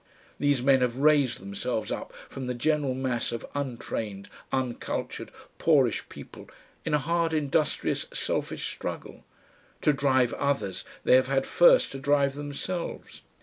These men have raised themselves up from the general mass of untrained, uncultured, poorish people in a hard industrious selfish struggle. To drive others they have had first to drive themselves.